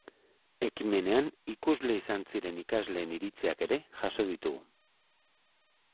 Ekimenean ikusle izan ziren ikasleen iritziak ere jaso ditugu.